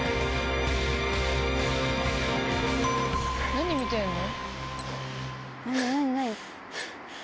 何見てんの？